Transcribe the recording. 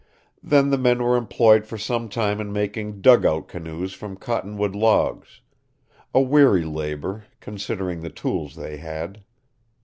Then the men were employed for some time in making "dugout" canoes from cottonwood logs, a weary labor, considering the tools they had.